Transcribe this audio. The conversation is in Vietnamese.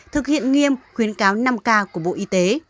thực hiện nghiêm khuyến cáo năm k của bộ y tế